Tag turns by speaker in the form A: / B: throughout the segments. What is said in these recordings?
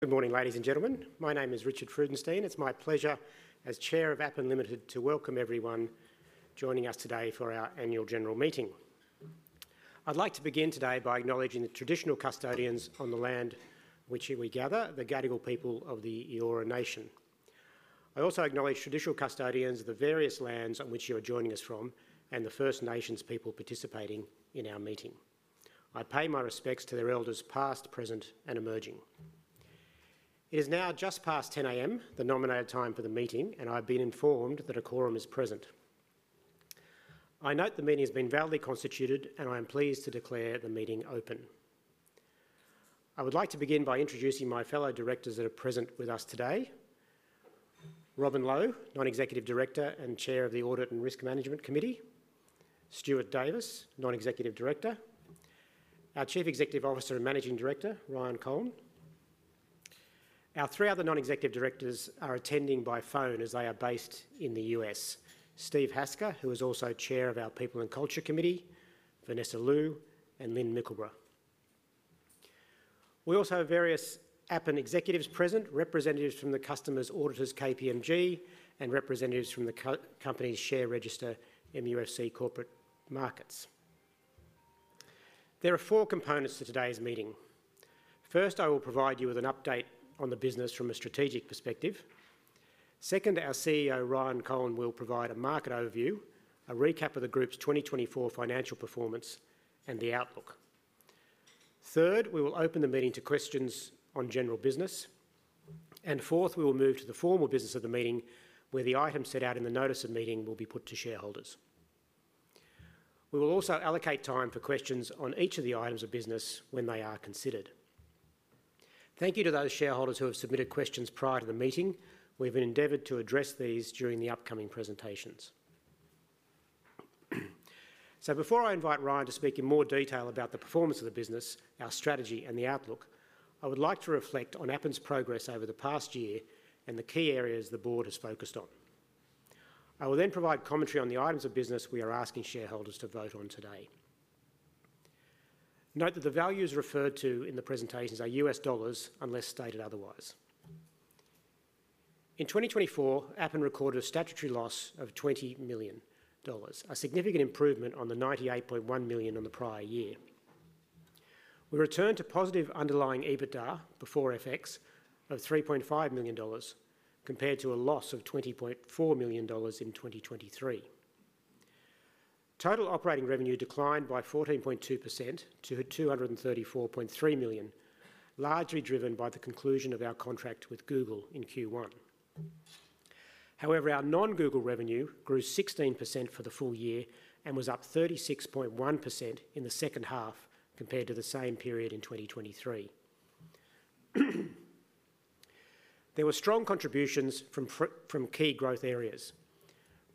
A: Good morning, ladies and gentlemen. My name is Richard Freudenstein. It's my pleasure as Chair of Appen Ltd to welcome everyone joining us today for our annual general meeting. I'd like to begin today by acknowledging the traditional custodians on the land on which we gather, the Gadigal people of the Eora Nation. I also acknowledge traditional custodians of the various lands on which you are joining us from, and the First Nations people participating in our meeting. I pay my respects to their elders past, present, and emerging. It is now just past 10:00 A.M., the nominated time for the meeting, and I've been informed that a quorum is present. I note the meeting has been validly constituted, and I am pleased to declare the meeting open. I would like to begin by introducing my fellow directors that are present with us today: Robin Low, Non-executive Director and Chair of the Audit and Risk Management Committee. Stuart Davis, Non-executive Director. Our Chief Executive Officer and Managing Director, Ryan Kolln. Our three other Non-executive Directors are attending by phone as they are based in the U.S.: Steve Hasker, who is also Chair of our People and Culture Committee, Vanessa Liu, and Lynn Mickleburgh. We also have various Appen executives present, representatives from the company's auditors, KPMG, and representatives from the company's share register, MUFG Corporate Markets. There are four components to today's meeting. First, I will provide you with an update on the business from a strategic perspective. Second, our CEO, Ryan Kolln, will provide a market overview, a recap of the group's 2024 financial performance, and the outlook. Third, we will open the meeting to questions on general business. Fourth, we will move to the formal business of the meeting, where the items set out in the notice of meeting will be put to shareholders. We will also allocate time for questions on each of the items of business when they are considered. Thank you to those shareholders who have submitted questions prior to the meeting. We have endeavored to address these during the upcoming presentations. Before I invite Ryan to speak in more detail about the performance of the business, our strategy, and the outlook, I would like to reflect on Appen's progress over the past year and the key areas the board has focused on. I will then provide commentary on the items of business we are asking shareholders to vote on today. Note that the values referred to in the presentations are U.S. dollars. dollars, unless stated otherwise. In 2024, Appen recorded a statutory loss of $20 million, a significant improvement on the $98.1 million in the prior year. We returned to positive underlying EBITDA, before FX, of $3.5 million, compared to a loss of $20.4 million in 2023. Total operating revenue declined by 14.2% to $234.3 million, largely driven by the conclusion of our contract with Google in Q1. However, our non-Google revenue grew 16% for the full year and was up 36.1% in the second half compared to the same period in 2023. There were strong contributions from key growth areas.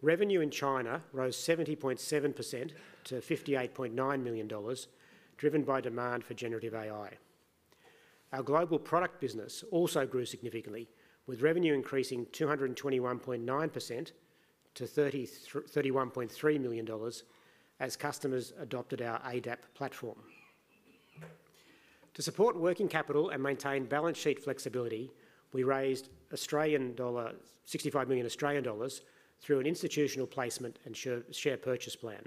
A: Revenue in China rose 70.7% to $58.9 million, driven by demand for generative AI. Our global product business also grew significantly, with revenue increasing 221.9% to $31.3 million as customers adopted our ADAP platform. To support working capital and maintain balance sheet flexibility, we raised 65 million Australian dollars through an institutional placement and share purchase plan.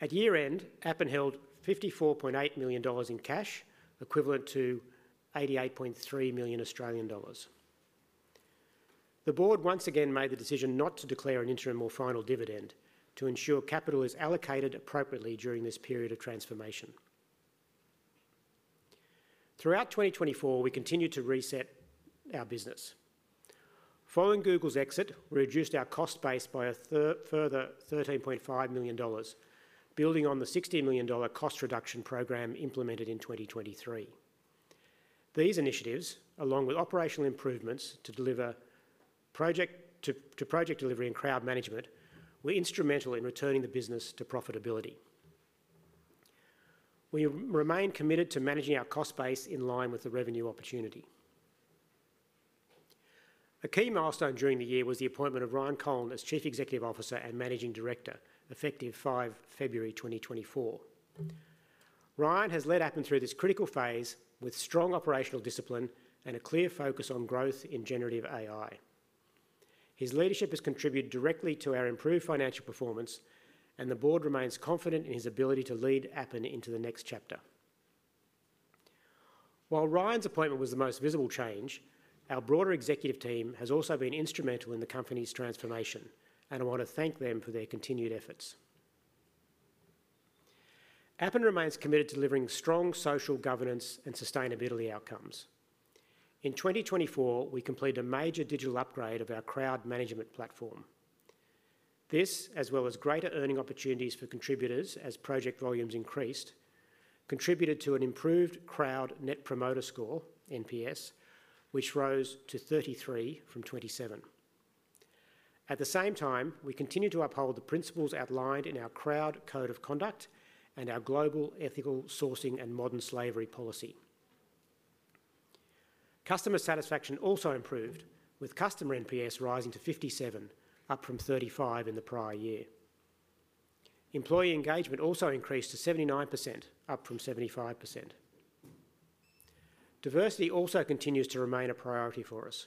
A: At year-end, Appen held $54.8 million in cash, equivalent to 88.3 million Australian dollars. The board once again made the decision not to declare an interim or final dividend to ensure capital is allocated appropriately during this period of transformation. Throughout 2024, we continued to reset our business. Following Google's exit, we reduced our cost base by a further $13.5 million, building on the $60 million cost reduction programme implemented in 2023. These initiatives, along with operational improvements to project delivery and crowd management, were instrumental in returning the business to profitability. We remain committed to managing our cost base in line with the revenue opportunity. A key milestone during the year was the appointment of Ryan Kolln as Chief Executive Officer and Managing Director, effective 5 February 2024. Ryan has led Appen through this critical phase with strong operational discipline and a clear focus on growth in generative AI. His leadership has contributed directly to our improved financial performance, and the board remains confident in his ability to lead Appen into the next chapter. While Ryan's appointment was the most visible change, our broader executive team has also been instrumental in the company's transformation, and I want to thank them for their continued efforts. Appen remains committed to delivering strong social governance and sustainability outcomes. In 2024, we completed a major digital upgrade of our crowd management platform. This, as well as greater earning opportunities for contributors as project volumes increased, contributed to an improved crowd net promoter score, NPS, which rose to 33 from 27. At the same time, we continue to uphold the principles outlined in our crowd code of conduct and our global ethical sourcing and modern slavery policy. Customer satisfaction also improved, with customer NPS rising to 57, up from 35 in the prior year. Employee engagement also increased to 79%, up from 75%. Diversity also continues to remain a priority for us.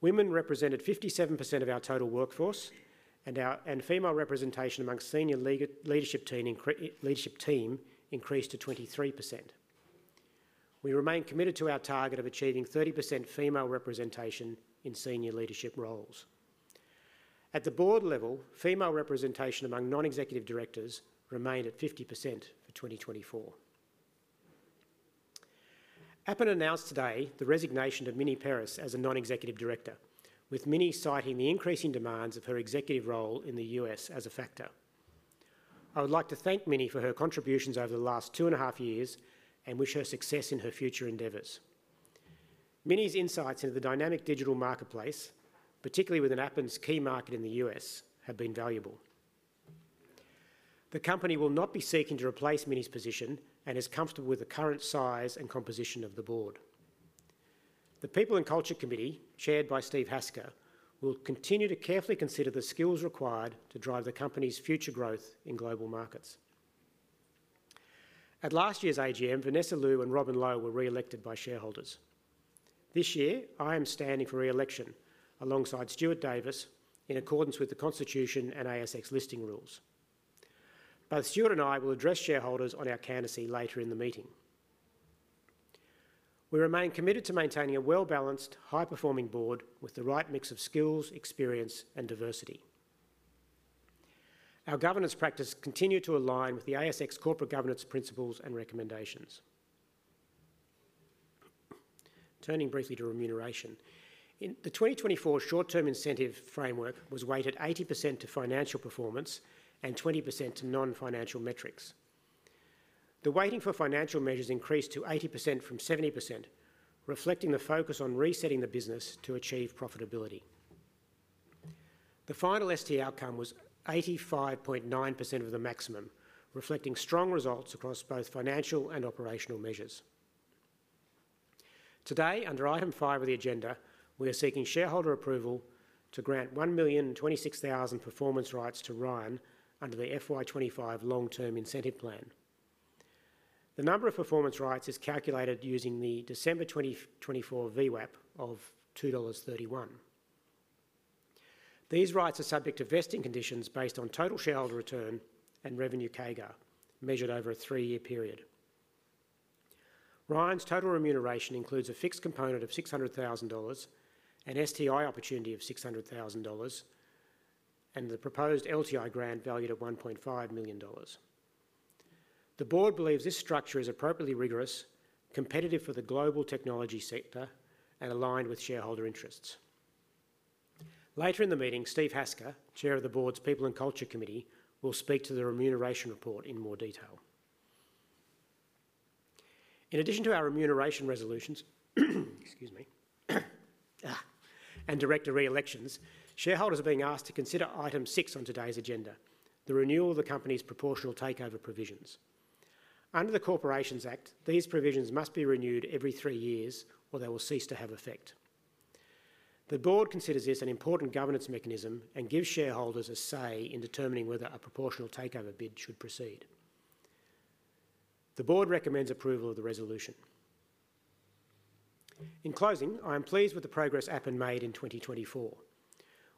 A: Women represented 57% of our total workforce, and female representation amongst senior leadership team increased to 23%. We remain committed to our target of achieving 30% female representation in senior leadership roles. At the board level, female representation among Non-executive Directors remained at 50% for 2024. Appen announced today the resignation of Mini Peiris as a Non-executive Director, with Mini citing the increasing demands of her executive role in the U.S. as a factor. I would like to thank Mini for her contributions over the last two and a half years and wish her success in her future endeavors. Mini's insights into the dynamic digital marketplace, particularly within Appen's key market in the U.S., have been valuable. The company will not be seeking to replace Mini's position and is comfortable with the current size and composition of the board. The People and Culture Committee, chaired by Steve Hasker, will continue to carefully consider the skills required to drive the company's future growth in global markets. At last year's AGM, Vanessa Liu and Robin Low were re-elected by shareholders. This year, I am standing for re-election alongside Stuart Davis in accordance with the Constitution and ASX listing rules. Both Stuart and I will address shareholders on our canopy later in the meeting. We remain committed to maintaining a well-balanced, high-performing board with the right mix of skills, experience, and diversity. Our governance practice continues to align with the ASX corporate governance principles and recommendations. Turning briefly to remuneration, the 2024 short-term incentive framework was weighted 80% to financial performance and 20% to non-financial metrics. The weighting for financial measures increased to 80% from 70%, reflecting the focus on resetting the business to achieve profitability. The final STI outcome was 85.9% of the maximum, reflecting strong results across both financial and operational measures. Today, under item five of the agenda, we are seeking shareholder approval to grant 1,026,000 performance rights to Ryan under the FY25 long-term incentive plan. The number of performance rights is calculated using the December 2024 VWAP of 2.31 dollars. These rights are subject to vesting conditions based on total shareholder return and revenue CAGR, measured over a three-year period. Ryan's total remuneration includes a fixed component of $600,000, an STI opportunity of $600,000, and the proposed LTI grant valued at $1.5 million. The board believes this structure is appropriately rigorous, competitive for the global technology sector, and aligned with shareholder interests. Later in the meeting, Steve Hasker, Chair of the Board's People and Culture Committee, will speak to the remuneration report in more detail. In addition to our remuneration resolutions and director re-elections, shareholders are being asked to consider item six on today's agenda, the renewal of the company's proportional takeover provisions. Under the Corporations Act, these provisions must be renewed every three years, or they will cease to have effect. The board considers this an important governance mechanism and gives shareholders a say in determining whether a proportional takeover bid should proceed. The board recommends approval of the resolution. In closing, I am pleased with the progress Appen made in 2024.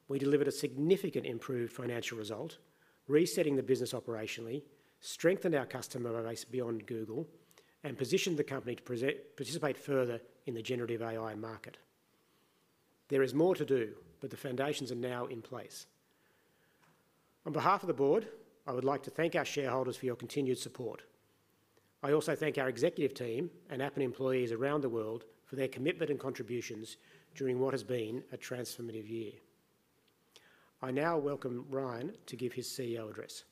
A: We delivered a significant improved financial result, resetting the business operationally, strengthened our customer base beyond Google, and positioned the company to participate further in the generative AI market. There is more to do, but the foundations are now in place. On behalf of the board, I would like to thank our shareholders for your continued support. I also thank our executive team and Appen employees around the world for their commitment and contributions during what has been a transformative year. I now welcome Ryan to give his CEO address.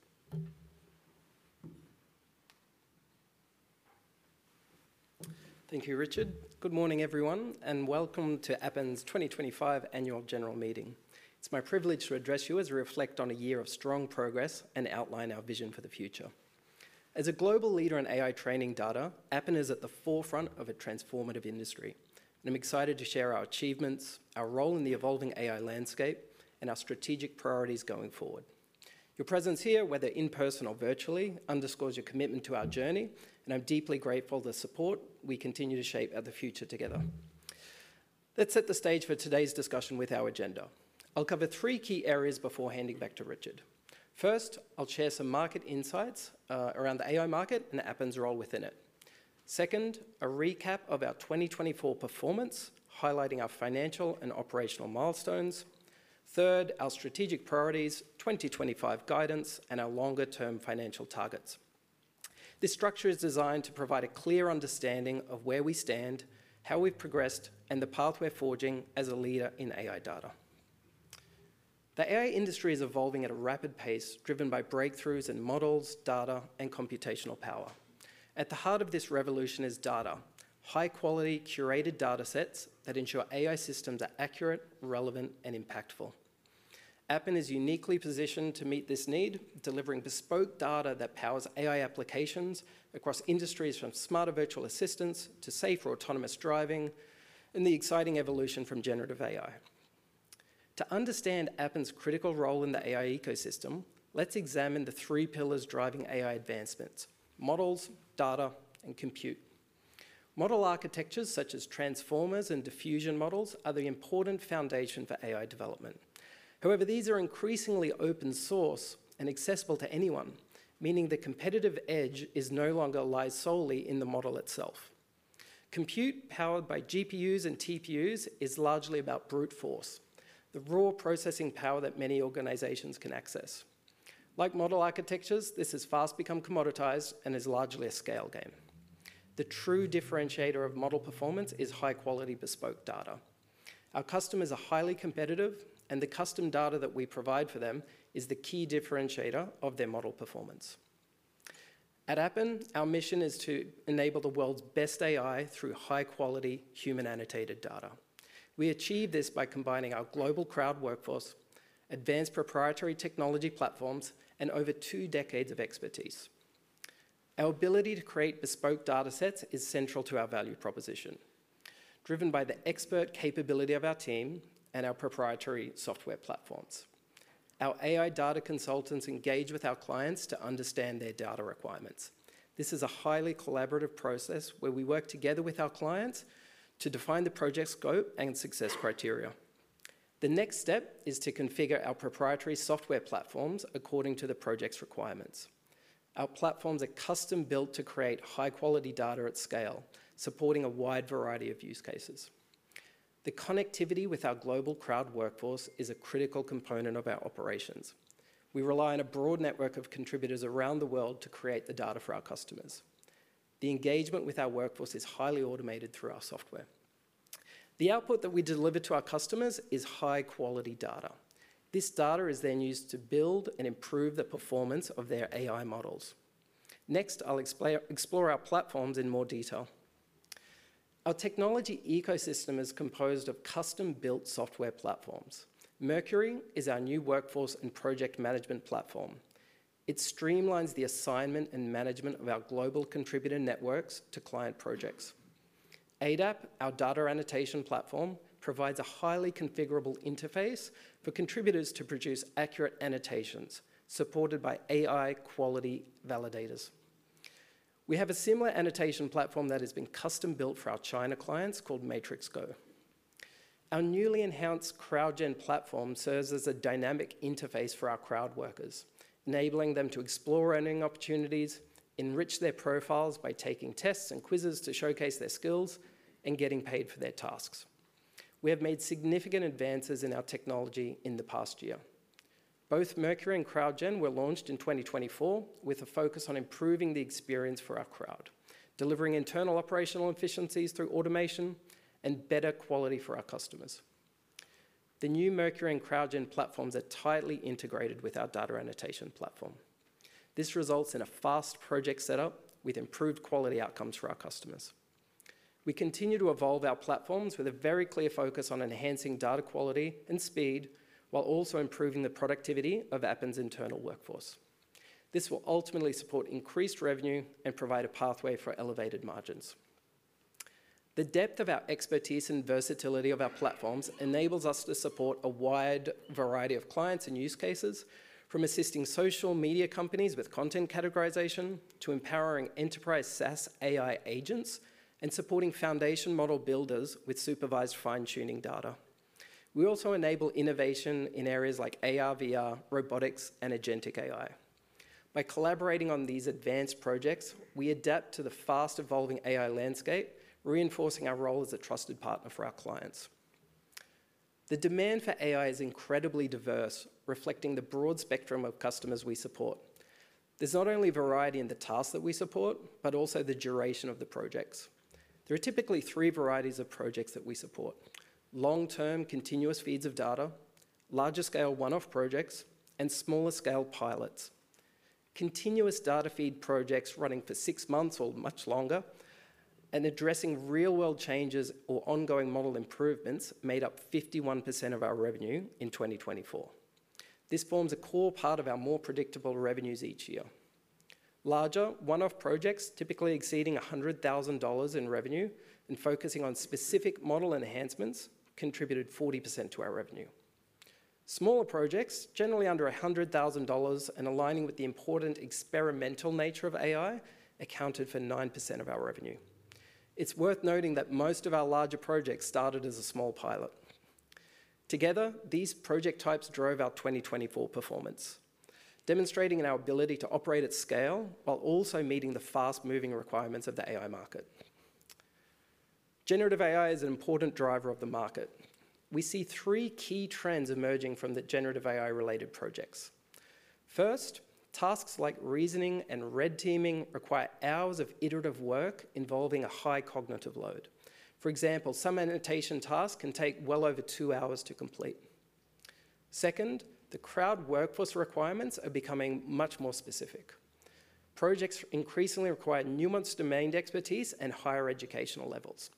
B: Thank you, Richard. Good morning, everyone, and welcome to Appen's 2025 annual general meeting. It's my privilege to address you as we reflect on a year of strong progress and outline our vision for the future. As a global leader in AI training data, Appen is at the forefront of a transformative industry, and I'm excited to share our achievements, our role in the evolving AI landscape, and our strategic priorities going forward. Your presence here, whether in person or virtually, underscores your commitment to our journey, and I'm deeply grateful for the support we continue to shape at the future together. Let's set the stage for today's discussion with our agenda. I'll cover three key areas before handing back to Richard. First, I'll share some market insights around the AI market and Appen's role within it. Second, a recap of our 2024 performance, highlighting our financial and operational milestones. Third, our strategic priorities, 2025 guidance, and our longer-term financial targets. This structure is designed to provide a clear understanding of where we stand, how we've progressed, and the path we're forging as a leader in AI data. The AI industry is evolving at a rapid pace, driven by breakthroughs in models, data, and computational power. At the heart of this revolution is data, high-quality, curated data sets that ensure AI systems are accurate, relevant, and impactful. Appen is uniquely positioned to meet this need, delivering bespoke data that powers AI applications across industries from smarter virtual assistants to safer autonomous driving and the exciting evolution from generative AI. To understand Appen's critical role in the AI ecosystem, let's examine the three pillars driving AI advancements: models, data, and compute. Model architectures such as transformers and diffusion models are the important foundation for AI development. However, these are increasingly open source and accessible to anyone, meaning the competitive edge no longer lies solely in the model itself. Compute powered by GPUs and TPUs is largely about brute force, the raw processing power that many organizations can access. Like model architectures, this has fast become commoditized and is largely a scale game. The true differentiator of model performance is high-quality bespoke data. Our customers are highly competitive, and the custom data that we provide for them is the key differentiator of their model performance. At Appen, our mission is to enable the world's best AI through high-quality, human-annotated data. We achieve this by combining our global crowd workforce, advanced proprietary technology platforms, and over two decades of expertise. Our ability to create bespoke data sets is central to our value proposition, driven by the expert capability of our team and our proprietary software platforms. Our AI data consultants engage with our clients to understand their data requirements. This is a highly collaborative process where we work together with our clients to define the project scope and success criteria. The next step is to configure our proprietary software platforms according to the project's requirements. Our platforms are custom-built to create high-quality data at scale, supporting a wide variety of use cases. The connectivity with our global crowd workforce is a critical component of our operations. We rely on a broad network of contributors around the world to create the data for our customers. The engagement with our workforce is highly automated through our software. The output that we deliver to our customers is high-quality data. This data is then used to build and improve the performance of their AI models. Next, I'll explore our platforms in more detail. Our technology ecosystem is composed of custom-built software platforms. Mercury is our new workforce and project management platform. It streamlines the assignment and management of our global contributor networks to client projects. ADAP, our data annotation platform, provides a highly configurable interface for contributors to produce accurate annotations, supported by AI quality validators. We have a similar annotation platform that has been custom-built for our China clients called Matrix Go. Our newly enhanced CrowdGen platform serves as a dynamic interface for our crowd workers, enabling them to explore earning opportunities, enrich their profiles by taking tests and quizzes to showcase their skills, and getting paid for their tasks. We have made significant advances in our technology in the past year. Both Mercury and CrowdGen were launched in 2024 with a focus on improving the experience for our crowd, delivering internal operational efficiencies through automation and better quality for our customers. The new Mercury and CrowdGen platforms are tightly integrated with our data annotation platform. This results in a fast project setup with improved quality outcomes for our customers. We continue to evolve our platforms with a very clear focus on enhancing data quality and speed while also improving the productivity of Appen's internal workforce. This will ultimately support increased revenue and provide a pathway for elevated margins. The depth of our expertise and versatility of our platforms enables us to support a wide variety of clients and use cases, from assisting social media companies with content categorization to empowering enterprise SaaS AI agents and supporting foundation model builders with supervised fine-tuning data. We also enable innovation in areas like AR/VR, robotics, and agentic AI. By collaborating on these advanced projects, we adapt to the fast-evolving AI landscape, reinforcing our role as a trusted partner for our clients. The demand for AI is incredibly diverse, reflecting the broad spectrum of customers we support. There's not only variety in the tasks that we support, but also the duration of the projects. There are typically three varieties of projects that we support: long-term continuous feeds of data, larger-scale one-off projects, and smaller-scale pilots. Continuous data feed projects running for six months or much longer and addressing real-world changes or ongoing model improvements made up 51% of our revenue in 2024. This forms a core part of our more predictable revenues each year. Larger one-off projects, typically exceeding $100,000 in revenue and focusing on specific model enhancements, contributed 40% to our revenue. Smaller projects, generally under $100,000 and aligning with the important experimental nature of AI, accounted for 9% of our revenue. It's worth noting that most of our larger projects started as a small pilot. Together, these project types drove our 2024 performance, demonstrating our ability to operate at scale while also meeting the fast-moving requirements of the AI market. Generative AI is an important driver of the market. We see three key trends emerging from the generative AI-related projects. First, tasks like reasoning and red teaming require hours of iterative work involving a high cognitive load. For example, some annotation tasks can take well over two hours to complete. Second, the crowd workforce requirements are becoming much more specific. Projects increasingly require nuanced domained expertise and higher educational levels.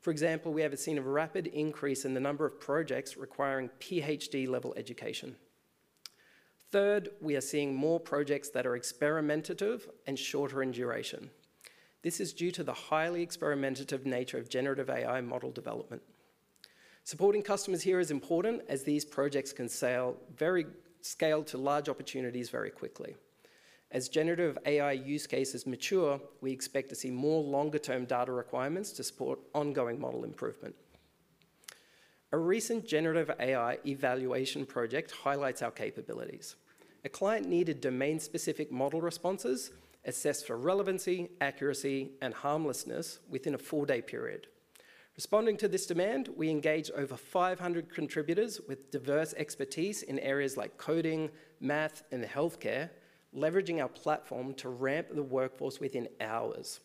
B: For example, we have seen a rapid increase in the number of projects requiring PhD-level education. Third, we are seeing more projects that are experimentative and shorter in duration. This is due to the highly experimentative nature of generative AI model development. Supporting customers here is important as these projects can scale to large opportunities very quickly. As generative AI use cases mature, we expect to see more longer-term data requirements to support ongoing model improvement. A recent generative AI evaluation project highlights our capabilities. A client needed domain-specific model responses assessed for relevancy, accuracy, and harmlessness within a four-day period. Responding to this demand, we engaged over 500 contributors with diverse expertise in areas like coding, math, and healthcare, leveraging our platform to ramp the workforce within hours.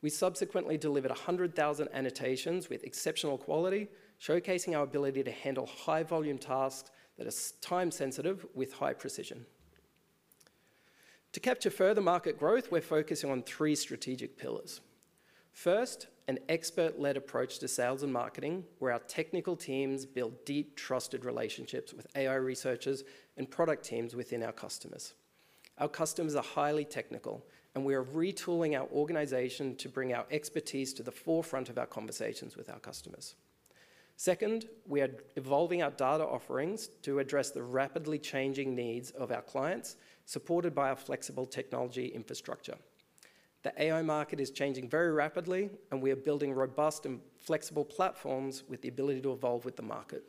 B: We subsequently delivered 100,000 annotations with exceptional quality, showcasing our ability to handle high-volume tasks that are time-sensitive with high precision. To capture further market growth, we're focusing on three strategic pillars. First, an expert-led approach to sales and marketing, where our technical teams build deep, trusted relationships with AI researchers and product teams within our customers. Our customers are highly technical, and we are retooling our organization to bring our expertise to the forefront of our conversations with our customers. Second, we are evolving our data offerings to address the rapidly changing needs of our clients, supported by our flexible technology infrastructure. The AI market is changing very rapidly, and we are building robust and flexible platforms with the ability to evolve with the market.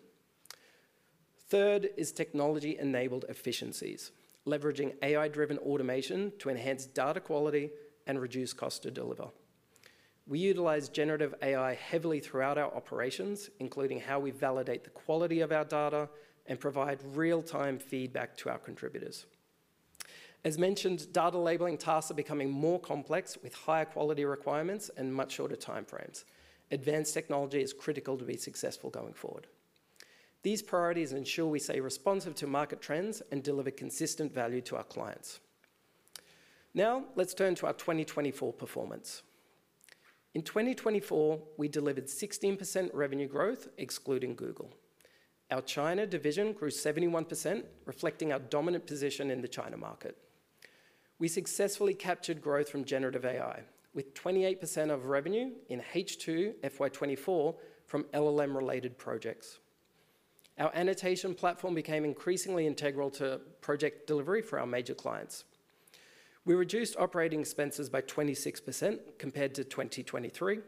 B: Third is technology-enabled efficiencies, leveraging AI-driven automation to enhance data quality and reduce cost to deliver. We utilize generative AI heavily throughout our operations, including how we validate the quality of our data and provide real-time feedback to our contributors. As mentioned, data labeling tasks are becoming more complex with higher quality requirements and much shorter timeframes. Advanced technology is critical to be successful going forward. These priorities ensure we stay responsive to market trends and deliver consistent value to our clients. Now, let's turn to our 2024 performance. In 2024, we delivered 16% revenue growth, excluding Google. Our China division grew 71%, reflecting our dominant position in the China market. We successfully captured growth from generative AI, with 28% of revenue in H2 FY 2024 from LLM-related projects. Our annotation platform became increasingly integral to project delivery for our major clients. We reduced operating expenses by 26% compared to 2023.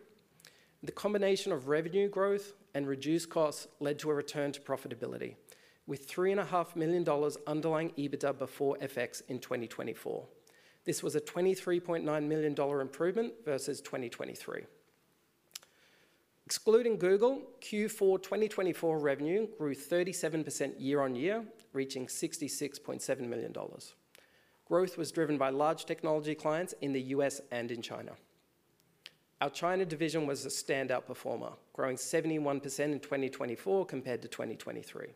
B: The combination of revenue growth and reduced costs led to a return to profitability, with $3.5 million underlying EBITDA before FX in 2024. This was a $23.9 million improvement versus 2023. Excluding Google, Q4 2024 revenue grew 37% year-on-year, reaching $66.7 million. Growth was driven by large technology clients in the U.S. and in China. Our China division was a standout performer, growing 71% in 2024 compared to 2023.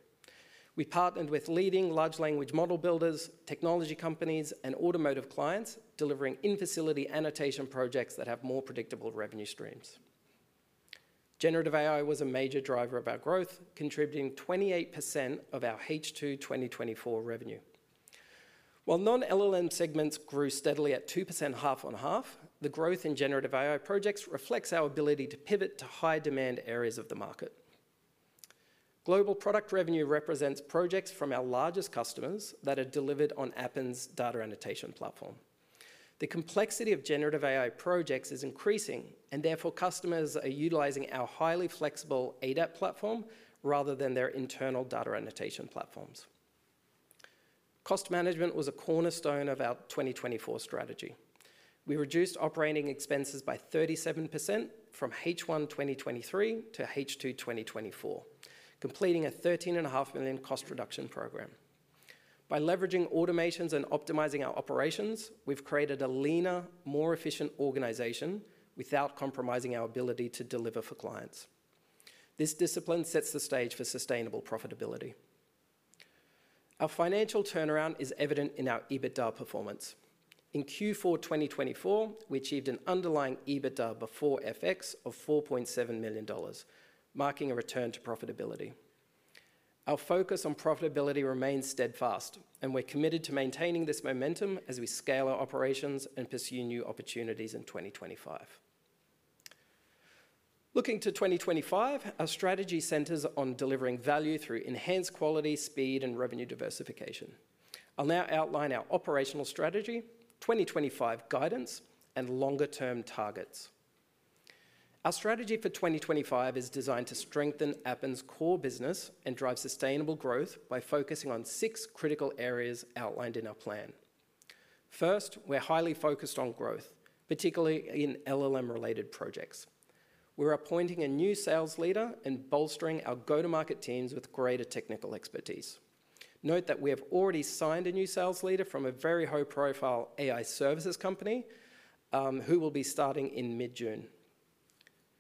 B: We partnered with leading large language model builders, technology companies, and automotive clients, delivering infacility annotation projects that have more predictable revenue streams. Generative AI was a major driver of our growth, contributing 28% of our H2 2024 revenue. While non-LLM segments grew steadily at 2% half-on-half, the growth in generative AI projects reflects our ability to pivot to high-demand areas of the market. Global product revenue represents projects from our largest customers that are delivered on Appen's data annotation platform. The complexity of generative AI projects is increasing, and therefore customers are utilizing our highly flexible ADAP platform rather than their internal data annotation platforms. Cost management was a cornerstone of our 2024 strategy. We reduced operating expenses by 37% from H1 2023 to H2 2024, completing a $13.5 million cost reduction program. By leveraging automations and optimizing our operations, we've created a leaner, more efficient organization without compromising our ability to deliver for clients. This discipline sets the stage for sustainable profitability. Our financial turnaround is evident in our EBITDA performance. In Q4 2024, we achieved an underlying EBITDA before FX of $4.7 million, marking a return to profitability. Our focus on profitability remains steadfast, and we're committed to maintaining this momentum as we scale our operations and pursue new opportunities in 2025. Looking to 2025, our strategy centers on delivering value through enhanced quality, speed, and revenue diversification. I'll now outline our operational strategy, 2025 guidance, and longer-term targets. Our strategy for 2025 is designed to strengthen Appen's core business and drive sustainable growth by focusing on six critical areas outlined in our plan. First, we're highly focused on growth, particularly in LLM-related projects. We're appointing a new sales leader and bolstering our go-to-market teams with greater technical expertise. Note that we have already signed a new sales leader from a very high-profile AI services company who will be starting in mid-June.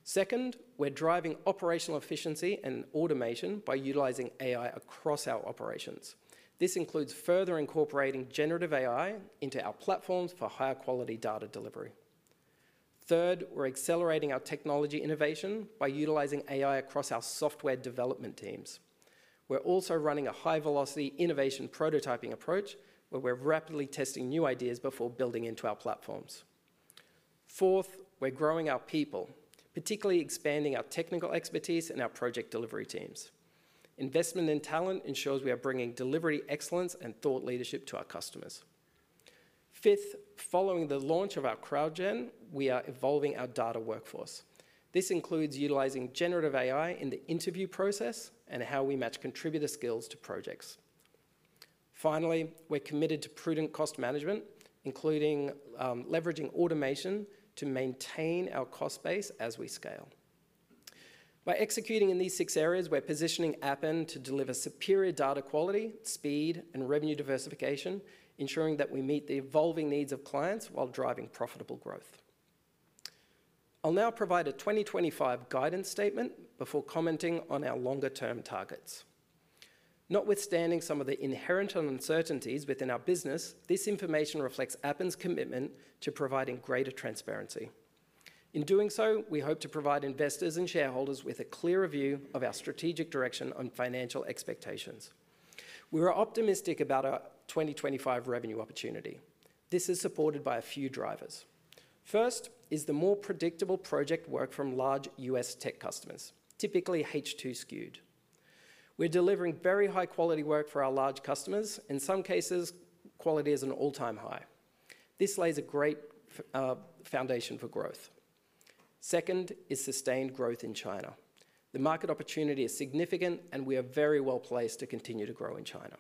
B: Second, we're driving operational efficiency and automation by utilising AI across our operations. This includes further incorporating generative AI into our platforms for higher-quality data delivery. Third, we're accelerating our technology innovation by utilising AI across our software development teams. We're also running a high-velocity innovation prototyping approach where we're rapidly testing new ideas before building into our platforms. Fourth, we're growing our people, particularly expanding our technical expertise and our project delivery teams. Investment in talent ensures we are bringing delivery excellence and thought leadership to our customers. Fifth, following the launch of our CrowdGen, we are evolving our data workforce. This includes utilizing generative AI in the interview process and how we match contributor skills to projects. Finally, we're committed to prudent cost management, including leveraging automation to maintain our cost base as we scale. By executing in these six areas, we're positioning Appen to deliver superior data quality, speed, and revenue diversification, ensuring that we meet the evolving needs of clients while driving profitable growth. I'll now provide a 2025 guidance statement before commenting on our longer-term targets. Notwithstanding some of the inherent uncertainties within our business, this information reflects Appen's commitment to providing greater transparency. In doing so, we hope to provide investors and shareholders with a clearer view of our strategic direction and financial expectations. We are optimistic about our 2025 revenue opportunity. This is supported by a few drivers. First is the more predictable project work from large U.S. tech customers, typically H2 skewed. We're delivering very high-quality work for our large customers. In some cases, quality is at an all-time high. This lays a great foundation for growth. Second is sustained growth in China. The market opportunity is significant, and we are very well placed to continue to grow in China.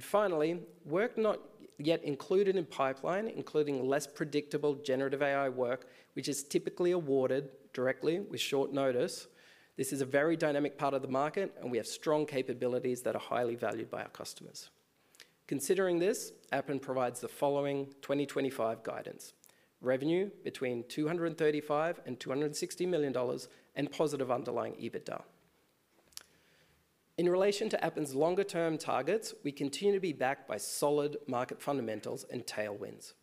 B: Finally, work not yet included in pipeline, including less predictable generative AI work, which is typically awarded directly with short notice. This is a very dynamic part of the market, and we have strong capabilities that are highly valued by our customers. Considering this, Appen provides the following 2025 guidance: revenue between $235 million and $260 million and positive underlying EBITDA. In relation to Appen's longer-term targets, we continue to be backed by solid market fundamentals and tailwinds.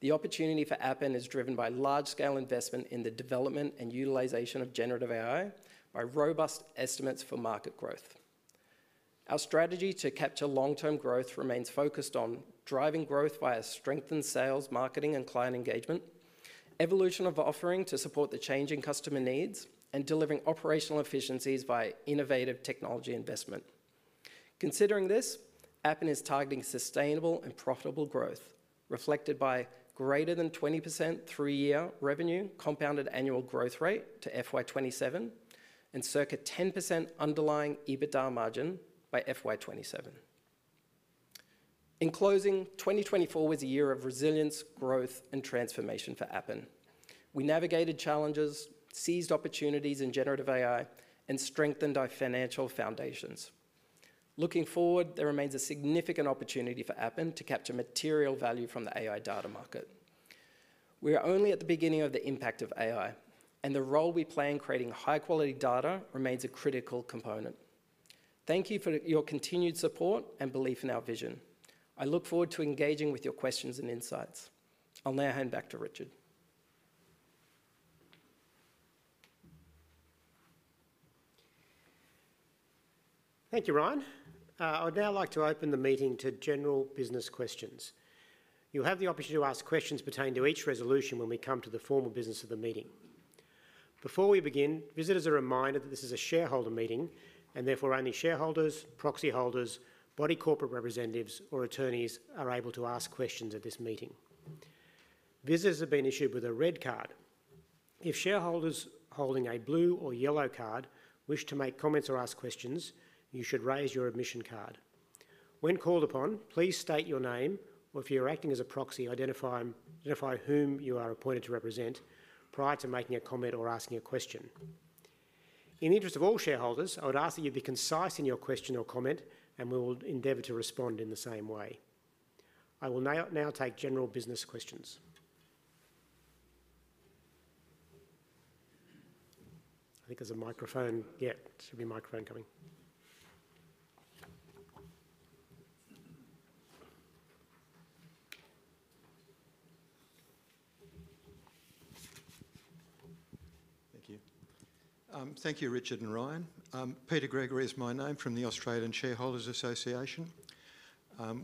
B: The opportunity for Appen is driven by large-scale investment in the development and utilisation of generative AI, by robust estimates for market growth. Our strategy to capture long-term growth remains focused on driving growth via strengthened sales, marketing, and client engagement, evolution of offering to support the changing customer needs, and delivering operational efficiencies by innovative technology investment. Considering this, Appen is targeting sustainable and profitable growth, reflected by greater than 20% three-year revenue compounded annual growth rate to FY 2027 and circa 10% underlying EBITDA margin by FY 2027. In closing, 2024 was a year of resilience, growth, and transformation for Appen. We navigated challenges, seized opportunities in generative AI, and strengthened our financial foundations. Looking forward, there remains a significant opportunity for Appen to capture material value from the AI data market. We are only at the beginning of the impact of AI, and the role we play in creating high-quality data remains a critical component. Thank you for your continued support and belief in our vision. I look forward to engaging with your questions and insights. I'll now hand back to Richard.
A: Thank you, Ryan. I'd now like to open the meeting to general business questions. You'll have the opportunity to ask questions pertaining to each resolution when we come to the formal business of the meeting. Before we begin, visitors are reminded that this is a shareholder meeting and therefore only shareholders, proxy holders, body corporate representatives, or attorneys are able to ask questions at this meeting. Visitors have been issued with a red card. If shareholders holding a blue or yellow card wish to make comments or ask questions, you should raise your admission card. When called upon, please state your name or, if you're acting as a proxy, identify whom you are appointed to represent prior to making a comment or asking a question. In the interest of all shareholders, I would ask that you be concise in your question or comment, and we will endeavor to respond in the same way. I will now take general business questions. I think there's a microphone. Yeah, should be a microphone coming.
C: Thank you. Thank you, Richard and Ryan. Peter Gregory is my name from the Australian Shareholders' Association.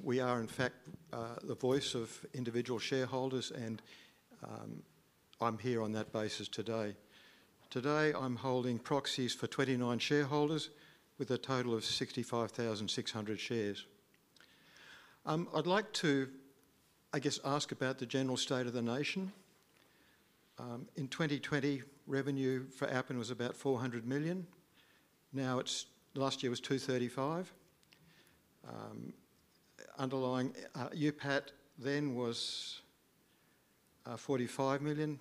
C: We are, in fact, the voice of individual shareholders, and I'm here on that basis today. Today, I'm holding proxies for 29 shareholders with a total of 65,600 shares. I'd like to, I guess, ask about the general state of the nation. In 2020, revenue for Appen was about $400 million. Now, last year was $235 million. Underlying EUPAT then was $45 million.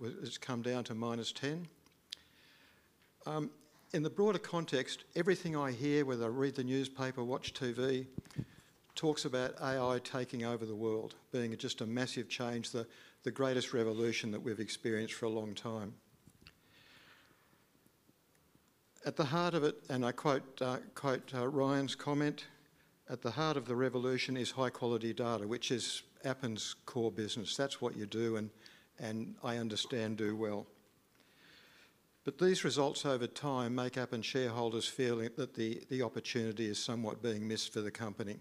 C: It's come down to minus $10 million. In the broader context, everything I hear, whether I read the newspaper, watch TV, talks about AI taking over the world, being just a massive change, the greatest revolution that we've experienced for a long time. At the heart of it, and I quote Ryan's comment, "At the heart of the revolution is high-quality data," which is Appen's core business. That's what you do, and I understand do well. These results over time make Appen shareholders feel that the opportunity is somewhat being missed for the company.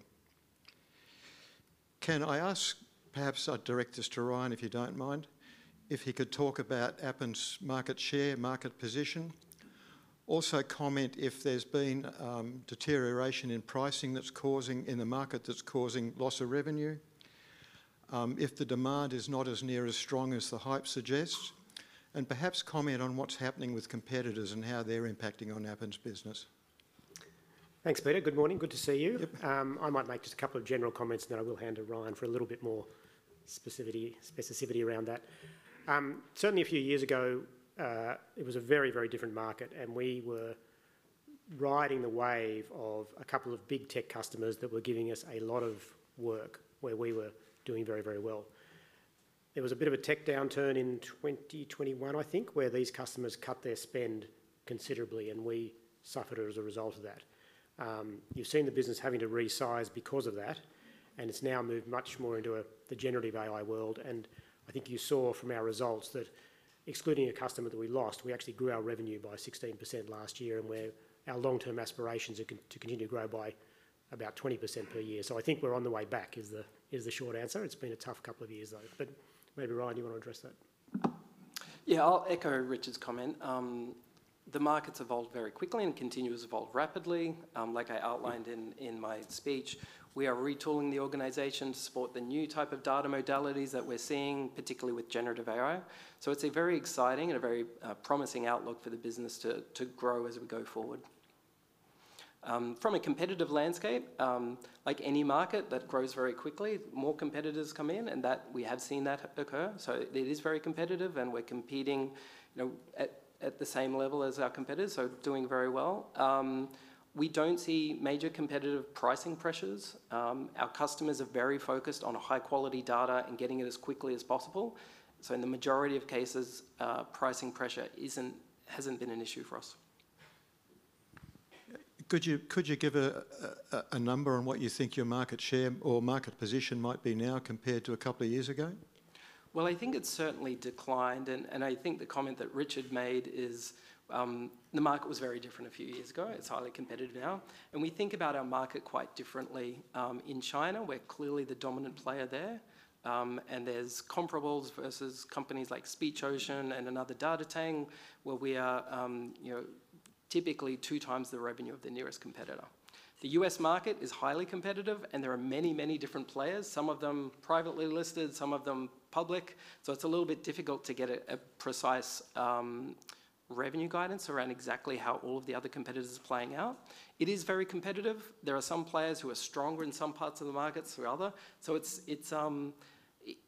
C: Can I ask, perhaps I'd direct this to Ryan, if you don't mind, if he could talk about Appen's market share, market position? Also comment if there's been deterioration in pricing that's causing, in the market that's causing loss of revenue? If the demand is not as near as strong as the hype suggests? And perhaps comment on what's happening with competitors and how they're impacting on Appen's business?
A: Thanks, Peter. Good morning. Good to see you. I might make just a couple of general comments and then I will hand to Ryan for a little bit more specificity around that. Certainly, a few years ago, it was a very, very different market and we were riding the wave of a couple of big tech customers that were giving us a lot of work where we were doing very, very well. There was a bit of a tech downturn in 2021, I think, where these customers cut their spend considerably and we suffered as a result of that. You've seen the business having to resize because of that and it's now moved much more into the generative AI world. I think you saw from our results that excluding a customer that we lost, we actually grew our revenue by 16% last year and our long-term aspirations are to continue to grow by about 20% per year. I think we're on the way back is the short answer. It's been a tough couple of years, though. Maybe Ryan, you want to address that?
B: Yeah, I'll echo Richard's comment. The markets evolve very quickly and continue to evolve rapidly. Like I outlined in my speech, we are retooling the organization to support the new type of data modalities that we're seeing, particularly with generative AI. It's a very exciting and a very promising outlook for the business to grow as we go forward. From a competitive landscape, like any market that grows very quickly, more competitors come in and we have seen that occur. It is very competitive and we're competing at the same level as our competitors, so doing very well. We don't see major competitive pricing pressures. Our customers are very focused on high-quality data and getting it as quickly as possible. In the majority of cases, pricing pressure hasn't been an issue for us.
C: Could you give a number on what you think your market share or market position might be now compared to a couple of years ago?
B: I think it's certainly declined and I think the comment that Richard made is the market was very different a few years ago. It's highly competitive now. We think about our market quite differently. In China, we're clearly the dominant player there and there's comparables versus companies like SpeechOcean and another data tank where we are typically two times the revenue of the nearest competitor. The U.S. market is highly competitive and there are many, many different players, some of them privately listed, some of them public. It is a little bit difficult to get a precise revenue guidance around exactly how all of the other competitors are playing out. It is very competitive. There are some players who are stronger in some parts of the markets than others. It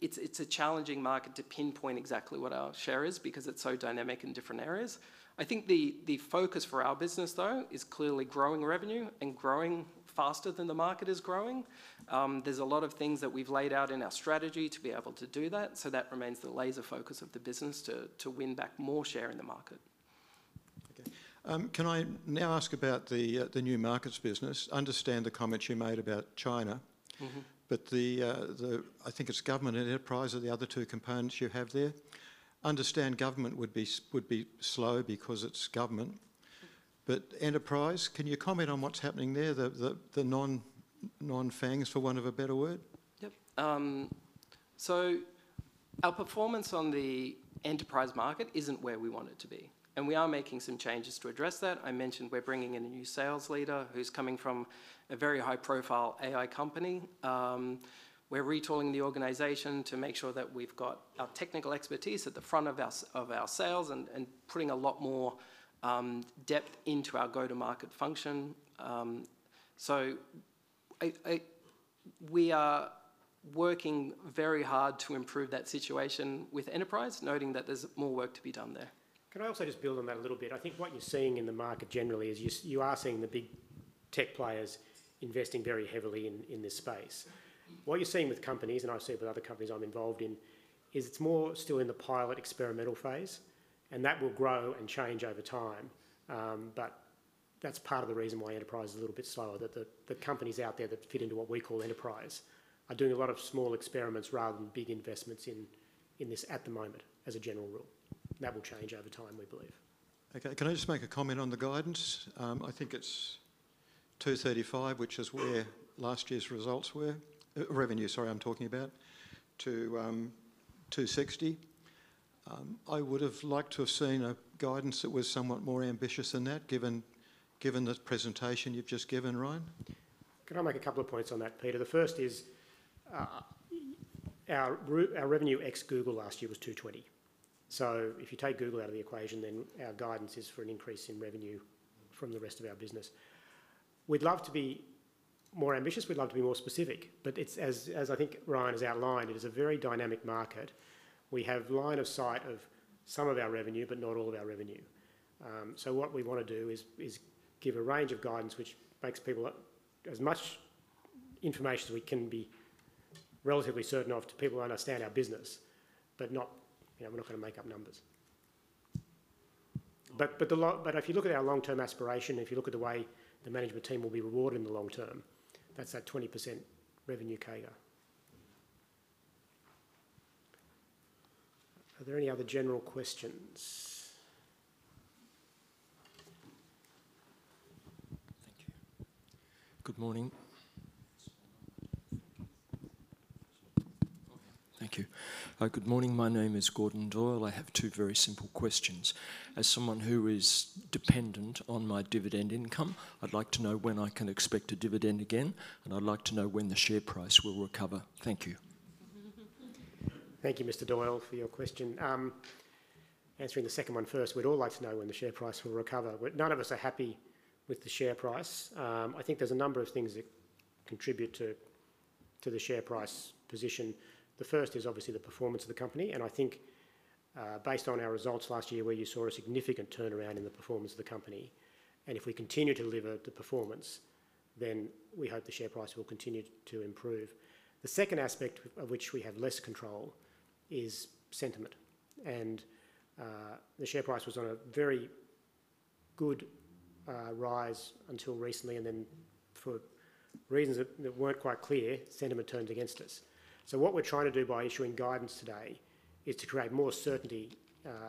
B: is a challenging market to pinpoint exactly what our share is because it is so dynamic in different areas. I think the focus for our business, though, is clearly growing revenue and growing faster than the market is growing. There's a lot of things that we've laid out in our strategy to be able to do that. That remains the laser focus of the business to win back more share in the market.
C: Okay. Can I now ask about the new markets business? Understand the comments you made about China, but I think it's government and enterprise are the other two components you have there. Understand government would be slow because it's government. Enterprise, can you comment on what's happening there, the non-fangs, for want of a better word?
B: Yep. Our performance on the enterprise market isn't where we want it to be. We are making some changes to address that. I mentioned we're bringing in a new sales leader who's coming from a very high-profile AI company. We're retooling the organization to make sure that we've got our technical expertise at the front of our sales and putting a lot more depth into our go-to-market function. We are working very hard to improve that situation with enterprise, noting that there's more work to be done there.
A: Can I also just build on that a little bit? I think what you're seeing in the market generally is you are seeing the big tech players investing very heavily in this space. What you're seeing with companies, and I see it with other companies I'm involved in, is it's more still in the pilot experimental phase and that will grow and change over time. That's part of the reason why enterprise is a little bit slower, that the companies out there that fit into what we call enterprise are doing a lot of small experiments rather than big investments in this at the moment as a general rule. That will change over time, we believe.
C: Okay. Can I just make a comment on the guidance? I think it's $235 million, which is where last year's results were, revenue, sorry, I'm talking about, to $260 million. I would have liked to have seen a guidance that was somewhat more ambitious than that, given the presentation you've just given, Ryan.
A: Can I make a couple of points on that, Peter? The first is our revenue ex-Google last year was $220 million. If you take Google out of the equation, then our guidance is for an increase in revenue from the rest of our business. We'd love to be more ambitious. We'd love to be more specific. As I think Ryan has outlined, it is a very dynamic market. We have line of sight of some of our revenue, but not all of our revenue. What we want to do is give a range of guidance which makes people as much information as we can be relatively certain of to people who understand our business, but we're not going to make up numbers. If you look at our long-term aspiration, if you look at the way the management team will be rewarded in the long term, that's that 20% revenue CAGR. Are there any other general questions? Thank you. Good morning. Thank you. Good morning. My name is Gordon Doyle. I have two very simple questions. As someone who is dependent on my dividend income, I'd like to know when I can expect a dividend again, and I'd like to know when the share price will recover? Thank you. Thank you, Mr. Doyle, for your question. Answering the second one first, we'd all like to know when the share price will recover. None of us are happy with the share price. I think there's a number of things that contribute to the share price position. The first is obviously the performance of the company. I think based on our results last year, where you saw a significant turnaround in the performance of the company, and if we continue to deliver the performance, then we hope the share price will continue to improve. The second aspect of which we have less control is sentiment. The share price was on a very good rise until recently, and then for reasons that were not quite clear, sentiment turned against us. What we are trying to do by issuing guidance today is to create more certainty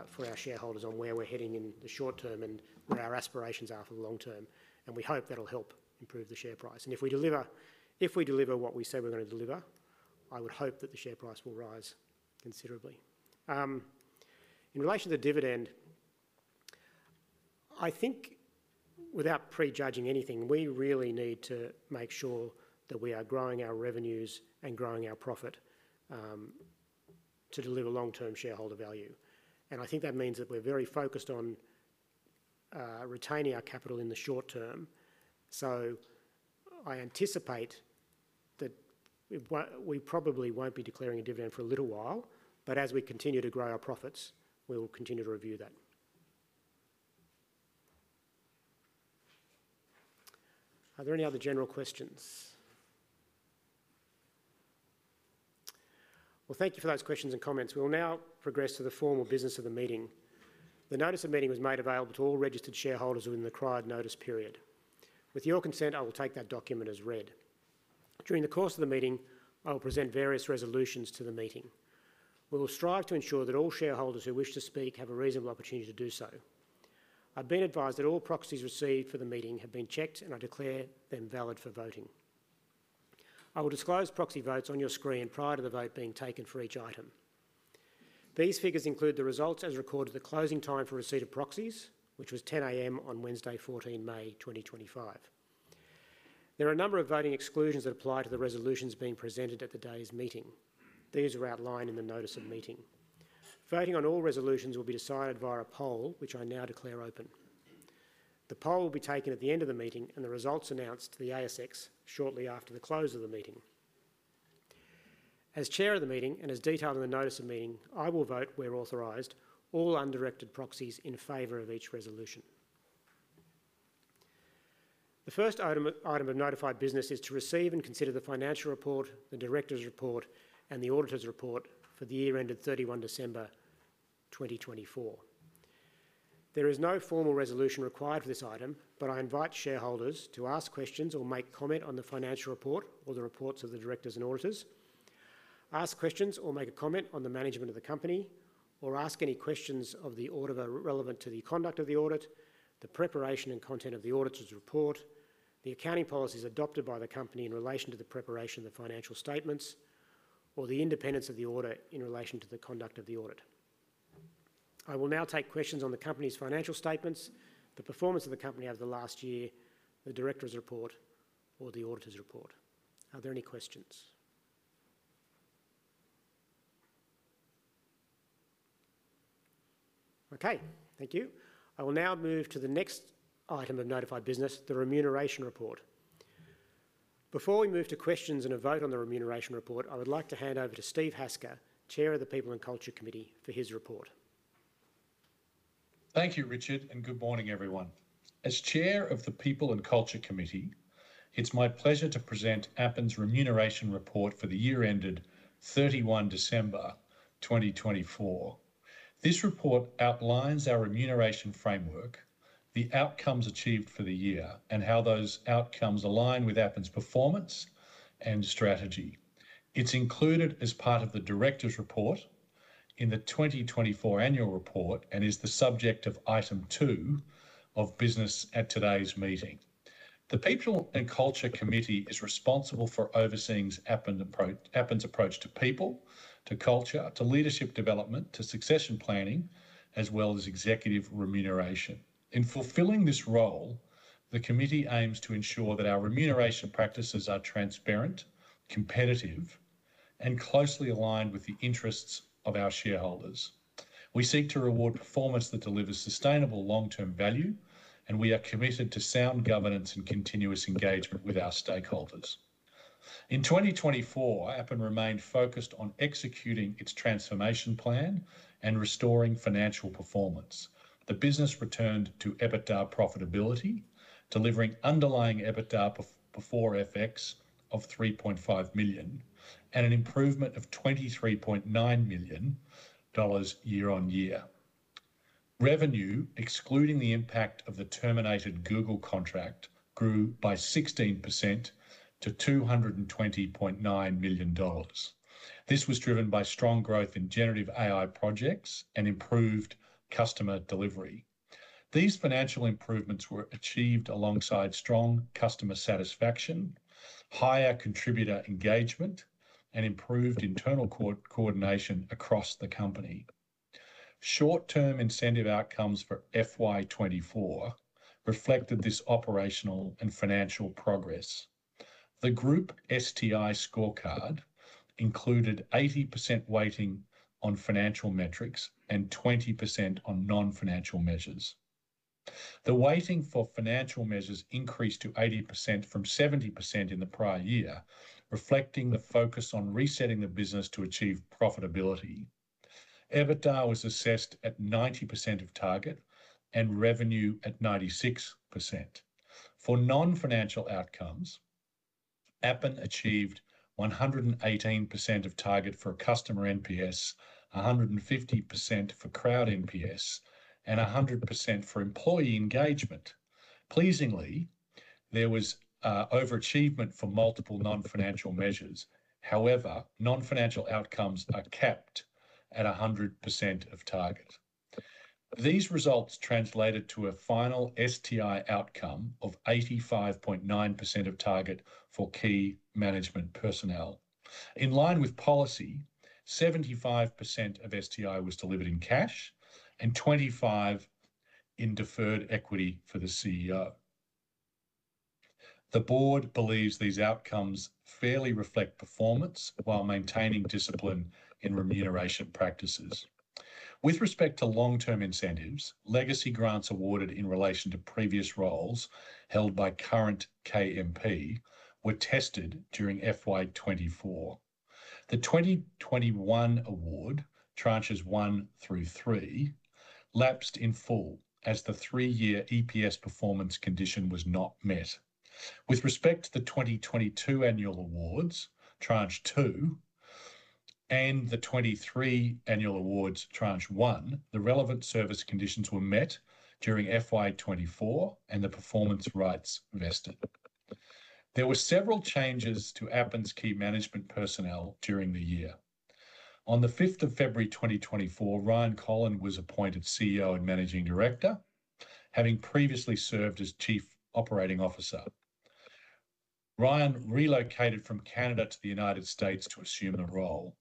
A: for our shareholders on where we are heading in the short term and where our aspirations are for the long term. We hope that will help improve the share price. If we deliver what we say we are going to deliver, I would hope that the share price will rise considerably. In relation to dividend, I think without prejudging anything, we really need to make sure that we are growing our revenues and growing our profit to deliver long-term shareholder value. I think that means we are very focused on retaining our capital in the short term. I anticipate that we probably won't be declaring a dividend for a little while, but as we continue to grow our profits, we will continue to review that. Are there any other general questions? Thank you for those questions and comments. We'll now progress to the formal business of the meeting. The notice of meeting was made available to all registered shareholders within the required notice period. With your consent, I will take that document as read. During the course of the meeting, I will present various resolutions to the meeting. We will strive to ensure that all shareholders who wish to speak have a reasonable opportunity to do so. I've been advised that all proxies received for the meeting have been checked and I declare them valid for voting. I will disclose proxy votes on your screen prior to the vote being taken for each item. These figures include the results as recorded at the closing time for receipt of proxies, which was 10:00 A.M. on Wednesday, 14 May 2025. There are a number of voting exclusions that apply to the resolutions being presented at the day's meeting. These are outlined in the notice of meeting. Voting on all resolutions will be decided via a poll, which I now declare open. The poll will be taken at the end of the meeting and the results announced to the ASX shortly after the close of the meeting. As Chair of the meeting and as detailed in the notice of meeting, I will vote, where authorized, all undirected proxies in favor of each resolution. The first item of notified business is to receive and consider the financial report, the Director's report, and the Auditor's report for the year ended 31 December 2024. There is no formal resolution required for this item, but I invite shareholders to ask questions or make comment on the financial report or the reports of the directors and auditors, ask questions or make a comment on the management of the company, or ask any questions of the auditor relevant to the conduct of the audit, the preparation and content of the auditor's report, the accounting policies adopted by the company in relation to the preparation of the financial statements, or the independence of the auditor in relation to the conduct of the audit. I will now take questions on the company's financial statements, the performance of the company over the last year, the director's report, or the auditor's report. Are there any questions? Okay. Thank you. I will now move to the next item of notified business, the remuneration report. Before we move to questions and a vote on the remuneration report, I would like to hand over to Steve Hasker, Chair of the People and Culture Committee, for his report.
D: Thank you, Richard, and good morning, everyone. As chair of the People and Culture Committee, it's my pleasure to present Appen's remuneration report for the year ended 31 December 2024. This report outlines our remuneration framework, the outcomes achieved for the year, and how those outcomes align with Appen's performance and strategy. It's included as part of the director's report in the 2024 annual report and is the subject of item two of business at today's meeting. The People and Culture Committee is responsible for overseeing Appen's approach to people, to culture, to leadership development, to succession planning, as well as executive remuneration. In fulfilling this role, the committee aims to ensure that our remuneration practices are transparent, competitive, and closely aligned with the interests of our shareholders. We seek to reward performance that delivers sustainable long-term value, and we are committed to sound governance and continuous engagement with our stakeholders. In 2024, Appen remained focused on executing its transformation plan and restoring financial performance. The business returned to EBITDA profitability, delivering underlying EBITDA before FX of $3.5 million and an improvement of $23.9 million year-on-year. Revenue, excluding the impact of the terminated Google contract, grew by 16% to $220.9 million. This was driven by strong growth in generative AI projects and improved customer delivery. These financial improvements were achieved alongside strong customer satisfaction, higher contributor engagement, and improved internal coordination across the company. Short-term incentive outcomes for FY 2024 reflected this operational and financial progress. The group STI scorecard included 80% weighting on financial metrics and 20% on non-financial measures. The weighting for financial measures increased to 80% from 70% in the prior year, reflecting the focus on resetting the business to achieve profitability. EBITDA was assessed at 90% of target and revenue at 96%. For non-financial outcomes, Appen achieved 118% of target for customer NPS, 150% for crowd NPS, and 100% for employee engagement. Pleasingly, there was overachievement for multiple non-financial measures. However, non-financial outcomes are capped at 100% of target. These results translated to a final STI outcome of 85.9% of target for key management personnel. In line with policy, 75% of STI was delivered in cash and 25% in deferred equity for the CEO. The board believes these outcomes fairly reflect performance while maintaining discipline in remuneration practices. With respect to long-term incentives, legacy grants awarded in relation to previous roles held by current KMP were tested during FY 2024. The 2021 award, tranches one through three, lapsed in full as the three-year EPS performance condition was not met. With respect to the 2022 annual awards, tranche two, and the 2023 annual awards, tranche one, the relevant service conditions were met during FY 2024 and the performance rights vested. There were several changes to Appen's key management personnel during the year. On the 5th of February, 2024, Ryan Kolln was appointed CEO and Managing Director, having previously served as Chief Operating Officer. Ryan relocated from Canada to the United States to assume the role.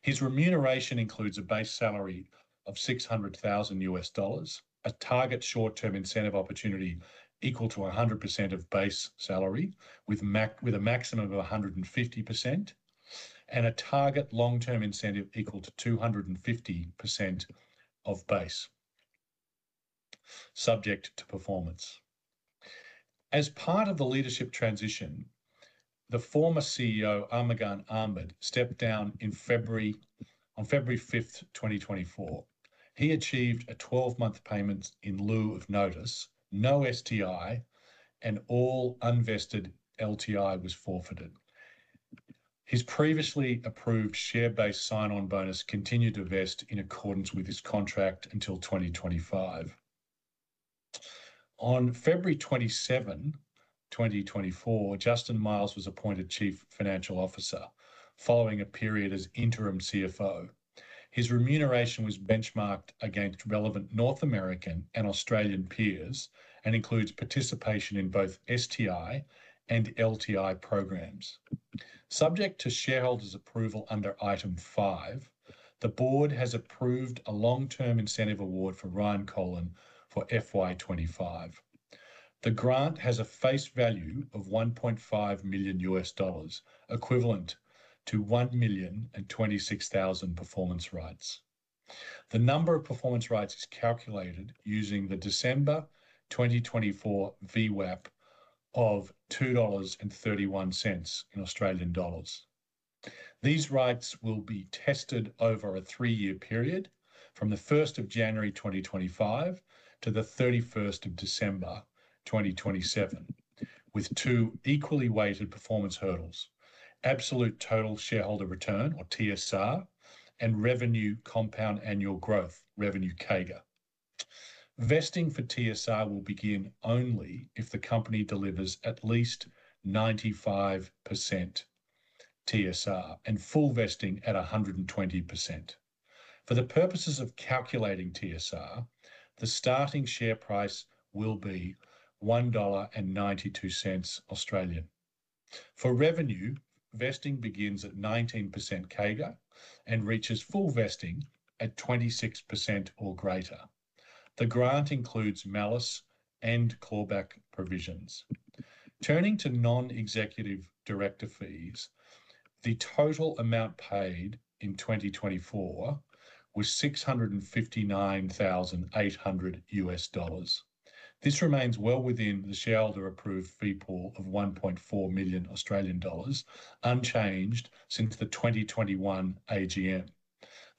D: His remuneration includes a base salary of $600,000, a target short-term incentive opportunity equal to 100% of base salary, with a maximum of 150%, and a target long-term incentive equal to 250% of base, subject to performance. As part of the leadership transition, the former CEO, Armughan Ahmad, stepped down on February 5th, 2024. He achieved a 12-month payment in lieu of notice, no STI, and all unvested LTI was forfeited. His previously approved share-based sign-on bonus continued to vest in accordance with his contract until 2025. On February 27, 2024, Justin Miles was appointed Chief Financial Officer following a period as interim CFO. His remuneration was benchmarked against relevant North American and Australian peers and includes participation in both STI and LTI programs. Subject to shareholders' approval under item five, the board has approved a long-term incentive award for Ryan Kolln for FY 2025. The grant has a face value of $1.5 million equivalent to 1,026,000 performance rights. The number of performance rights is calculated using the December 2024 VWAP of 2.31 dollars. These rights will be tested over a three-year period from the 1st of January, 2025, to the 31st of December, 2027, with two equally weighted performance hurdles: absolute total shareholder return, or TSR, and revenue compound annual growth, revenue CAGR. Vesting for TSR will begin only if the company delivers at least 95% TSR and full vesting at 120%. For the purposes of calculating TSR, the starting share price will be 1.92 Australian dollars. For revenue, vesting begins at 19% CAGR and reaches full vesting at 26% or greater. The grant includes malice and clawback provisions. Turning to non-executive director fees, the total amount paid in 2024 was $659,800. This remains well within the shareholder-approved fee pool of 1.4 million Australian dollars unchanged since the 2021 AGM.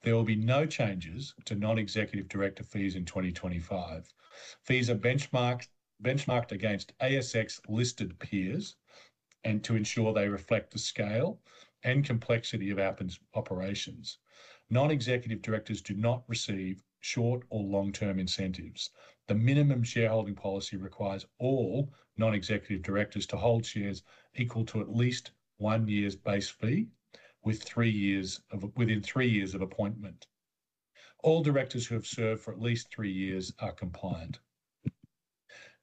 D: There will be no changes to non-executive director fees in 2025. Fees are benchmarked against ASX-listed peers to ensure they reflect the scale and complexity of Appen's operations. Non-executive directors do not receive short or long-term incentives. The minimum shareholding policy requires all non-executive directors to hold shares equal to at least one year's base fee within three years of appointment. All directors who have served for at least three years are compliant.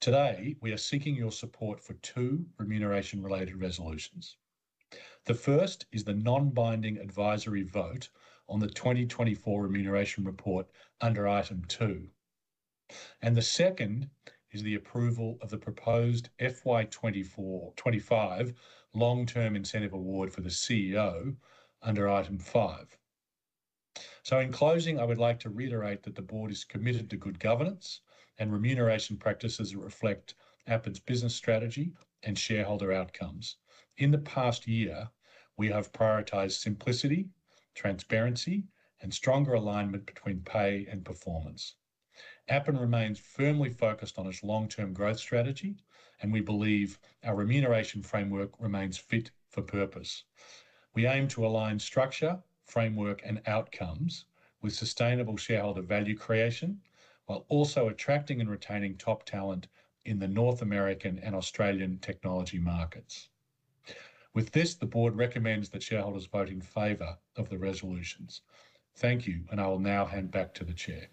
D: Today, we are seeking your support for two remuneration-related resolutions. The first is the non-binding advisory vote on the 2024 remuneration report under item two. The second is the approval of the proposed FY 2025 long-term incentive award for the CEO under item five. In closing, I would like to reiterate that the board is committed to good governance and remuneration practices that reflect Appen's business strategy and shareholder outcomes. In the past year, we have prioritized simplicity, transparency, and stronger alignment between pay and performance. Appen remains firmly focused on its long-term growth strategy, and we believe our remuneration framework remains fit for purpose. We aim to align structure, framework, and outcomes with sustainable shareholder value creation while also attracting and retaining top talent in the North American and Australian technology markets. With this, the board recommends that shareholders vote in favor of the resolutions. Thank you, and I will now hand back to the Chair.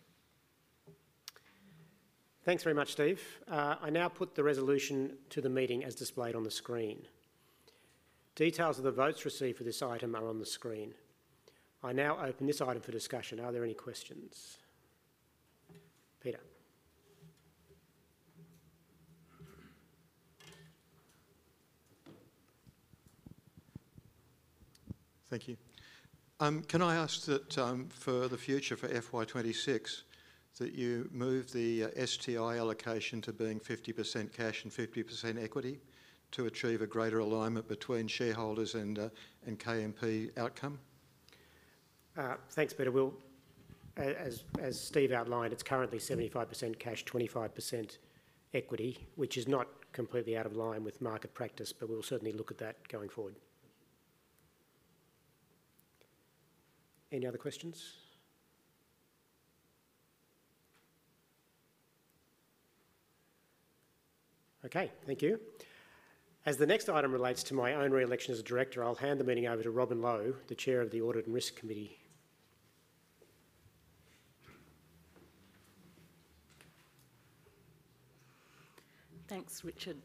A: Thanks very much, Steve. I now put the resolution to the meeting as displayed on the screen. Details of the votes received for this item are on the screen. I now open this item for discussion. Are there any questions? Peter.
C: Thank you. Can I ask for the future for FY 2026 that you move the STI allocation to being 50% cash and 50% equity to achieve a greater alignment between shareholders and KMP outcome?
A: Thanks, Peter. As Steve outlined, it's currently 75% cash, 25% equity, which is not completely out of line with market practice, but we'll certainly look at that going forward. Any other questions? Okay. Thank you. As the next item relates to my own reelection as a director, I'll hand the meeting over to Robin Low, the Chair of the Audit and Risk Committee.
D: Thanks, Richard.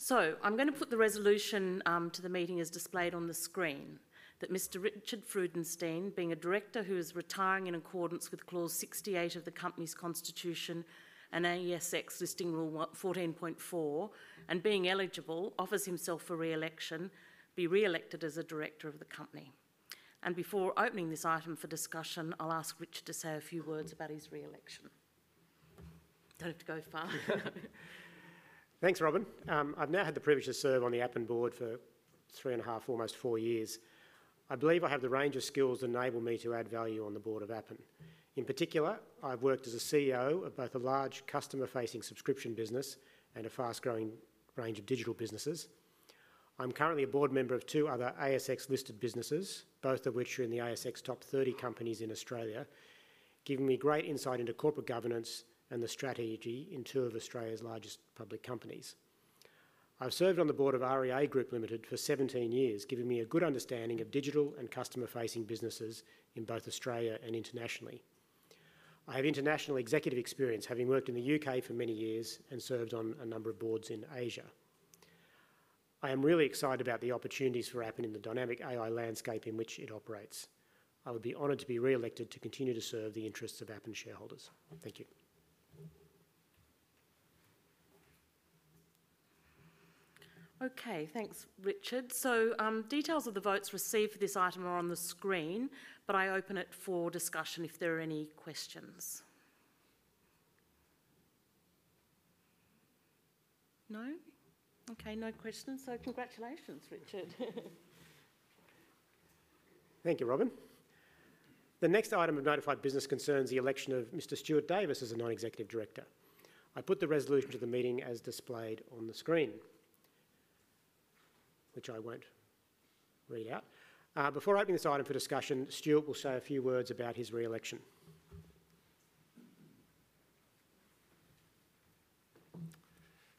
D: So I'm going to put the resolution to the meeting as displayed on the screen that Mr. Richard Freudenstein, being a director who is retiring in accordance with clause 68 of the company's constitution and ASX-listing rule 14.4, and being eligible, offers himself for reelection, be reelected as a director of the company. Before opening this item for discussion, I'll ask Richard to say a few words about his reelection. Don't have to go far.
A: Thanks, Robin. I've now had the privilege to serve on the Appen board for three and a half, almost four years. I believe I have the range of skills that enable me to add value on the board of Appen. In particular, I've worked as a CEO of both a large customer-facing subscription business and a fast-growing range of digital businesses. I'm currently a board member of two other ASX-listed businesses, both of which are in the ASX top 30 companies in Australia, giving me great insight into corporate governance and the strategy in two of Australia's largest public companies. I've served on the board of REA Group Ltd for 17 years, giving me a good understanding of digital and customer-facing businesses in both Australia and internationally. I have international executive experience, having worked in the U.K. for many years and served on a number of boards in Asia. I am really excited about the opportunities for Appen in the dynamic AI landscape in which it operates. I would be honoured to be reelected to continue to serve the interests of Appen shareholders. Thank you.
E: Okay. Thanks, Richard. Details of the votes received for this item are on the screen, but I open it for discussion if there are any questions. No? Okay. No questions. Congratulations, Richard.
A: Thank you, Robin. The next item of notified business concerns the election of Mr. Stuart Davis as a non-executive director. I put the resolution to the meeting as displayed on the screen, which I will not read out. Before opening this item for discussion, Stuart will say a few words about his reelection.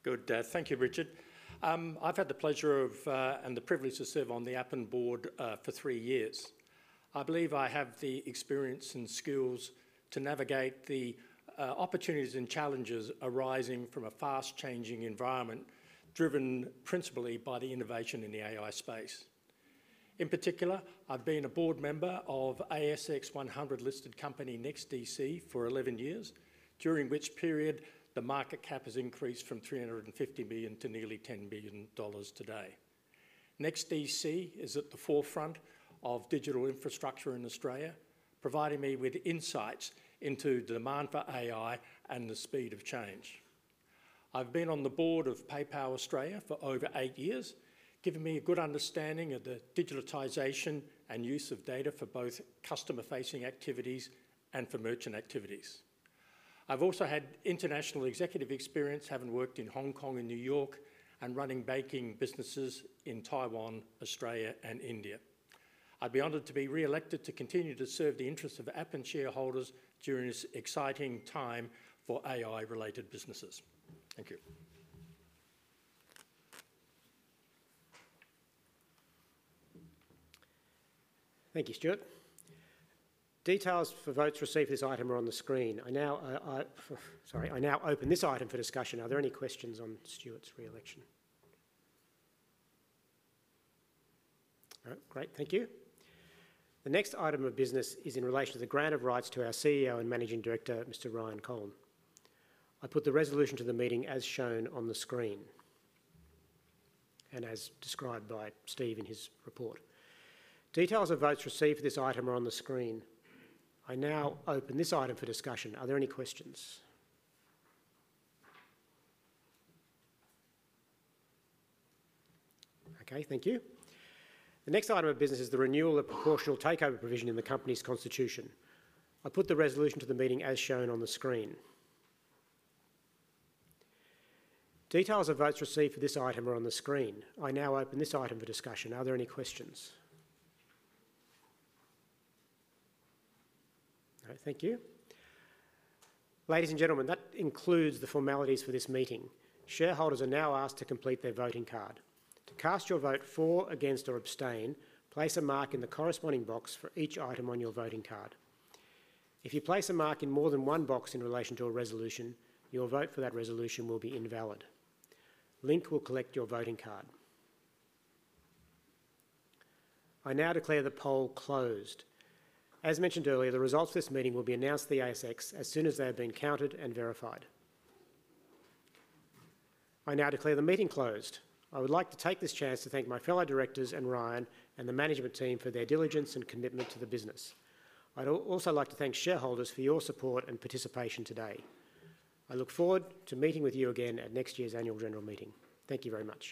F: Good. Thank you, Richard. I have had the pleasure and the privilege to serve on the Appen board for three years. I believe I have the experience and skills to navigate the opportunities and challenges arising from a fast-changing environment driven principally by the innovation in the AI space. In particular, I've been a board member of ASX 100-listed company NEXTDC for 11 years, during which period the market cap has increased from 350 million to nearly 10 billion dollars today. NEXTDC is at the forefront of digital infrastructure in Australia, providing me with insights into the demand for AI and the speed of change. I've been on the board of PayPal Australia for over eight years, giving me a good understanding of the digitisation and use of data for both customer-facing activities and for merchant activities. I've also had international executive experience, having worked in Hong Kong and New York and running banking businesses in Taiwan, Australia, and India. I'd be honored to be reelected to continue to serve the interests of Appen shareholders during this exciting time for AI-related businesses. Thank you.
A: Thank you, Stuart. Details for votes received for this item are on the screen. Sorry. I now open this item for discussion. Are there any questions on Stuart's reelection? All right. Great. Thank you. The next item of business is in relation to the grant of rights to our CEO and Managing Director, Mr. Ryan Kolln. I put the resolution to the meeting as shown on the screen and as described by Steve in his report. Details of votes received for this item are on the screen. I now open this item for discussion. Are there any questions? Okay. Thank you. The next item of business is the renewal of proportional takeover provision in the company's constitution. I put the resolution to the meeting as shown on the screen. Details of votes received for this item are on the screen. I now open this item for discussion. Are there any questions? All right. Thank you. Ladies and gentlemen, that concludes the formalities for this meeting. Shareholders are now asked to complete their voting card. To cast your vote for, against, or abstain, place a mark in the corresponding box for each item on your voting card. If you place a mark in more than one box in relation to a resolution, your vote for that resolution will be invalid. Link will collect your voting card. I now declare the poll closed. As mentioned earlier, the results of this meeting will be announced to the ASX as soon as they have been counted and verified. I now declare the meeting closed. I would like to take this chance to thank my fellow directors and Ryan and the management team for their diligence and commitment to the business. I'd also like to thank shareholders for your support and participation today. I look forward to meeting with you again at next year's annual general meeting. Thank you very much.